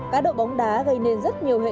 cá độ bóng đá gây nên rất nhiều hệ l